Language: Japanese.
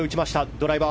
ドライバー。